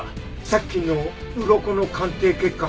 さっきのウロコの鑑定結果。